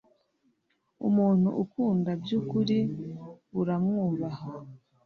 umuntu ukunda by’ukuri uramwubaha.